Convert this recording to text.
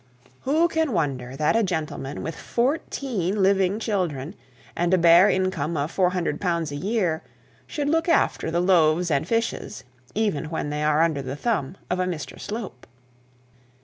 Who can wonder that a gentleman, with fourteen living children and a bare income of L 400 a year, should look after the loaves and fishes, ever when they are under the thumb of Mr Slope?